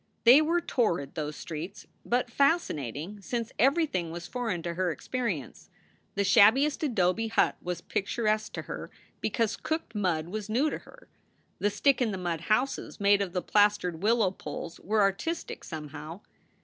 They were torrid, those streets, but fascinating, since everything was foreign to her experience. The shabbiest adobe hut was picturesque to her because cooked mud was new to her; the "stick in the mud" houses made of plas tered willow poles were artistic, somehow.